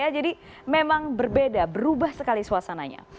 jadi memang berbeda berubah sekali suasananya